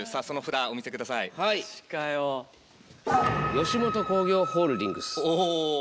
吉本興業ホールディングス。